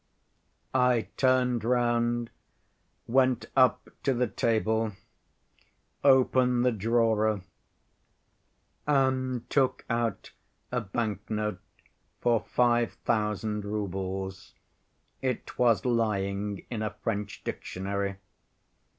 I turned round, went up to the table, opened the drawer and took out a banknote for five thousand roubles (it was lying in a French dictionary).